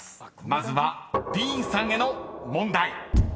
まずはディーンさんへの問題］